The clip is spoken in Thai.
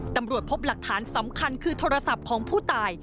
ตำรวจพบหลักฐานสำคัญคือโทรศัพท์ของผู้ตาย